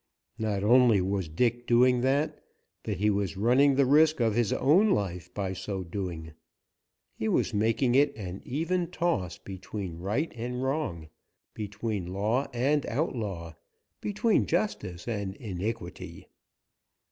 Not only was Dick doing that, but he was running the risk of his own life by so doing. He was making it an even toss between right and wrong, between law and outlaw, between justice and iniquity.